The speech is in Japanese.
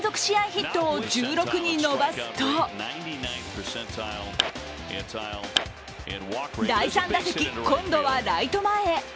ヒットを１６に伸ばすと第３打席、今度はライト前へ。